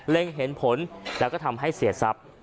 เห็นผลแล้วก็ทำให้เสียทรัพย์